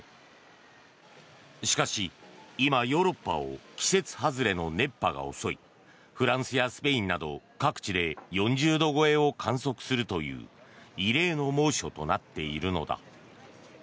しかし、今、ヨーロッパを季節外れの熱波が襲いフランスやスペインなど各地で４０度超えを観測するという異例の猛暑となっているのだ。